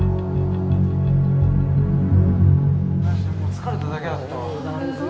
疲れただけだけど。